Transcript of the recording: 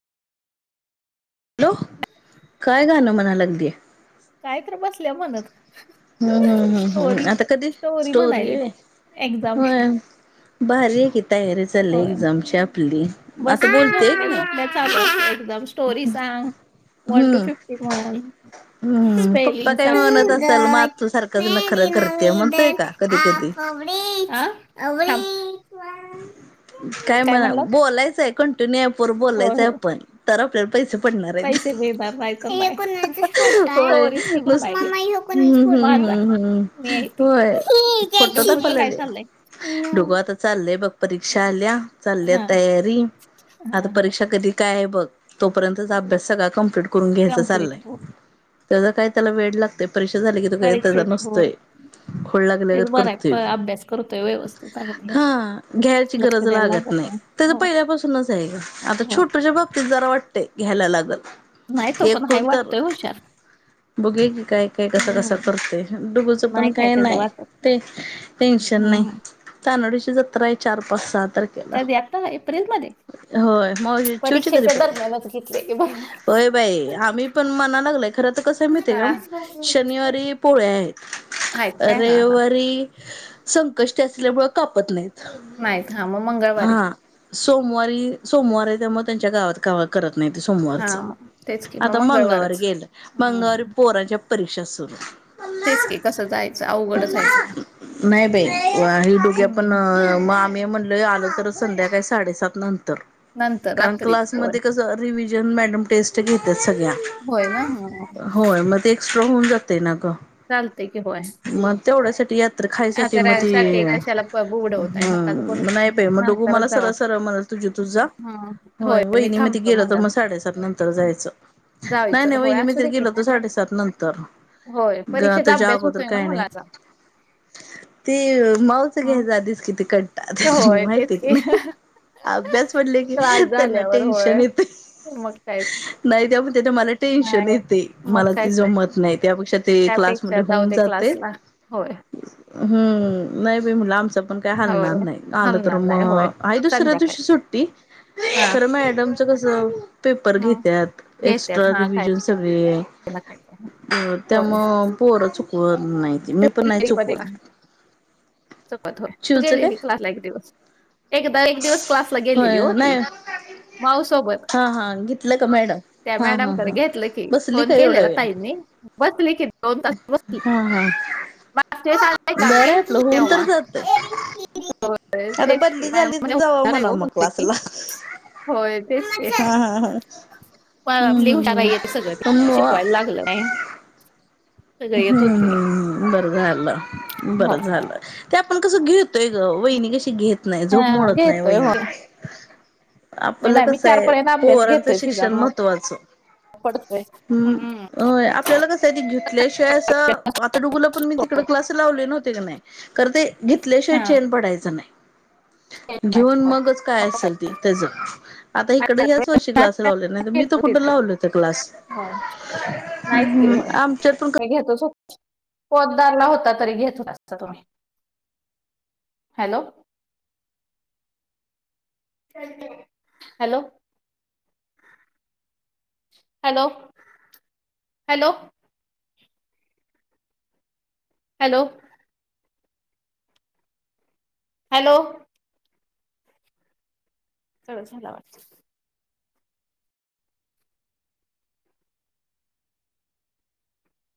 Hello, काय गाणं म्हणाय लागलीया? कायतर बसल्या म्हणत. हम्म हम्म हम्म स्टोरी हम्म आता कधी स्टोरी म्हणायली व्ही एक्झामची होय. भारी ये की तयारी चाललीये होय एक्झामची आपली आता बोलतेय हाय की नाय. ते चालूच असतय एक्झाम स्टोरी सांग, वन टू हम्म फिफ्टी म्हण. हम्म पप्पा स्पेलिंग काय सांगते. म्हणत असेल अ मग तू सारखंच नखरं करते म्हणतोय का कधी कधी थांब. काय म्हणावं बोलायचंय कंटिन्यू ॲपवर होय बोलायचंय होय आपण. तर आपल्याला पैसे पडणार आहेत पैसे मिळणार नाही तर हे नाही कोणाचं फोटो आहे होय स्टोरीज की म्हणायली नुसत मामा हे कोणाचं हम्म फोटो हम्म आहे? माझा हम्म हम्म मी आहे ती होय ही ज्याची फोटो डुकूचं दे. काय दाखवलेले चाललंय डुगु आता चाललंय बघ परीक्षा आल्या चालल्या हा तयारी हा आता हा परीक्षा कधी काय ये बघ तोपर्यंतचा अभ्यास सगळा कम्प्लीट करून घ्यायच कम्प्लीट चाललंय. हो त्याचा काय त्याला वेड लागतंय परीक्षा झाली की तो काय त्याचा परीक्षेत हो नसतोय खुळ तेच लागल्यागत बरं आहे प- करतोय. अभ्यास करतोय व्यवस हां घ्यायची गरज लागत नाय. नाही त्याज होय पहिल्यापासूनच आहे आता होय छोटूच्या बाबतीत जरा वाटतंय घ्यायला लागलं. नाय तो पण हाय वाटतोय हुशार. बघूया की काय काय कसा कसा हम्म करतोय डुगूच नाही पण काय त्याचं नाय वाटत ते टेंशन नाय. हम्म चांदोडेची जत्राय चार पाच सहा तारख कधी आता एप्रिलमध्ये? होय माव चिवची कधी परी घेतले की बरोबर होय बाई आम्ही पण म्हणा लागलाय खर तर कसंय माहितीये हा का शनिवारी पोळ्या ये. आहेत काय हा हा रविवारी संकष्टी असल्यामुळं कापत नाय नाहीत हां मग मंगळवारी सोमवारी सोमवाराय त्यामुळं त्यांच्या गावात गाव करत नाय ते हा सोमवारच मग तेच की मग आता मंगळवारी मंगळवारच गेलं मंगळवारी हम्म. पोराच्या परीक्षा सुरू तेच की कसं जायचं अवघडच हाय सगळं. नाय बाई [unintelligible] पण हम्म. मग आम्ही म्हणलो आलो तर संध्याकाळी साडेसात नंतर. नंतर कारण रात्रीच होय क्लासमध्ये कसं रिव्हिजन मॅडम टेस्ट घेत्यात सगळ्या होय ना हम्म. होय मग ते एक्स्ट्रा होऊन जातय ना गं. चालतंय की होय. मग तेवढ्यासाठी यात्र खायसाठी मग त्यासाठी ते कशाला प बुडवताय नकाच बुडवू. हम्म नाय बाई मग डुगु मला नंतरच म्हणलं जावा सरळ सरळ म्हणलं तुझी तू जा. हम्म होय मी वहिनी म्हणते थांबतो गेलं तर म्हणाल. मग साडेसात नंतर जायचं. नाय नाय जायचं होय वहिणी असू म्हणत्यात दे की गेलो तर काय त्याला साडेसात नंतर होय ग परीक्षेचा त्याच्या अभ्यास अगोदर होतोय ना काय नाय. मुलाचा ते मावस हम्म घ्यायच्या आधीच किती कंटाळते होय माहिते तेच की नाय. अभ्यास म्हटल की त्रास त्यांना झाल्यावर होय टेन्शन येतंय. मग कायच नाय त्या म्हणत्यात मला टेन्शन नाही येते मग मला ते कायच तर जमत नाय त्यापेक्षा ते ते त्यापेक्षा क्लासमध्ये जाऊ होऊन दे जातय. क्लासला होय हं, नाही बाई म्हणलं आमच पण काय होय हलणार नाही. आलं तर हलणार नाही होय मग आई दुसऱ्या संध्याकाळी दिवशी सुट्टी? हा खरं मॅडमच कस पेपर ह घेत्यात, घेत्यात एक्स्ट्रा हा काय रिव्हिजन सगळे [unintelligible] हो, होय त्यामुळ पोरं चुकव नाही ती. मी पण नाही चुकवत. सोबत होय, तू चिवचं काय गेलेली क्लासला एक दिवस. एकदा एक दिवस क्लासला गेलेली होय वो ती. नाही माऊ सोबत. हा हा घेतलं का मॅडम त्या हा हा मॅडमकडे हा घेतलं की, बसली फोन का एवढा केलेला वेळ ताईंनी. बसली की, दोन तास बस हा हा. मागच्या वेळेस आलते का बरं आहे मी आपलं होऊन तर तेव्हा. जातंय हो आता तेच बदली की, मॅडम झाली म्हण तर जावा होणार आहे हो म्हणावं मग म्हते की क्लासला होय, तेच की. हा हा हा मला ना हम्म हम्म लिहवता नाहीय ते सगळं हम्म मग शिकवा ते लागलं नाय. हम्म, हम्म, हम्म. बरं झालं, हो बरं झालं. ते आपण कसं घेतोय ग. वहिनी कशी घेत नाही, झोप हा, मोडत नाही घेतोय होय वहिनी. मी आपलं नाही मी चार कसंय, पर्यंत अभ्यास पोरांच घेतोय शिजा शिक्षिण मग महत्त्वाचं. हम्म, होय. आपल्याला कसंय ते घेतल्या शिवाय ते असं आता डुगुला पण मी तिकड क्लास लावले नव्हते क नाही, खरं ते घेतल्याशिवाय हा. चैन पडायचा घेत नाही, नाही, घेऊन होय. मगच काय मग असेल ते त्याज आता काय. इकडे ह्याच वर्षी क्लास लावले, नाही तर मी त घेतो कुठं तिथलं लावले होते क्लास? होय हम्म नाहीच की हम्म, होय आमच्यात पण क मी घेतो [unintelligible] पोतदारला होता तरी घेत [unintelligible] hello. Hello. Hello, hello. Hello. Hello. [inaudible]